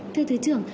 thưa thứ trưởng